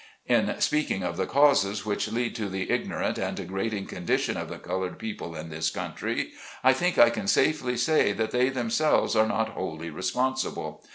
In speaking of the causes which lead to the igno rant and degrading condition of the colored people in this country, I think I can safely say that they them selves are not wholly responsible.